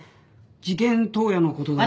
事件当夜の事だが。